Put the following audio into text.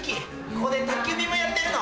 ここで宅急便もやってるの。